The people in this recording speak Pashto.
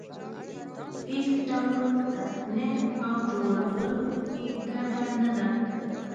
هېڅ ډول تصنع او جوړول په کې ګډه نه ده.